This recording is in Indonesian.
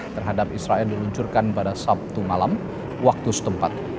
terhadap israel diluncurkan pada sabtu malam waktu setempat